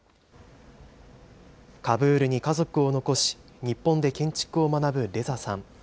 カブールに家族を残し、日本で建築を学ぶレザさん。